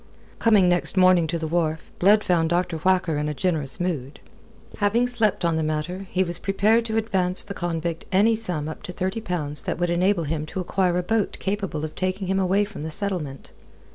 Coming next morning to the wharf, Blood found Dr. Whacker in a generous mood. Having slept on the matter, he was prepared to advance the convict any sum up to thirty pounds that would enable him to acquire a boat capable of taking him away from the settlement.